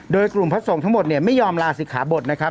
โดยกลุ่มพระสงฆ์ทั้งหมดเนี่ยไม่ยอมลาศิกขาบทนะครับ